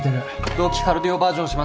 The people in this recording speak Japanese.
同期カルディオバージョンします。